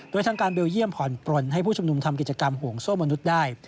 โดยทางการเบลเยี่ยมผ่อนปลนให้ผู้ชุมนุมทำกิจกรรมห่วงโซ่มนุษย์ได้